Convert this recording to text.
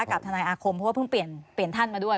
กับทนายอาคมเพราะว่าเพิ่งเปลี่ยนท่านมาด้วย